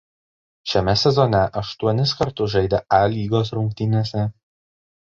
Šiame sezone aštuonis kartus žaidė A lygos rungtynėse.